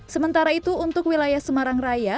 sementara itu untuk wilayah semarang raya